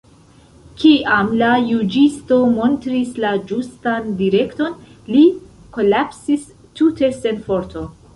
Kiam la juĝisto montris la ĝustan direkton, li kolapsis tute sen forto.